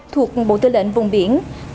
thuộc bộ tư lệnh vùng biển